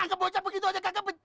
nangkep bocah begitu aja gak kebencos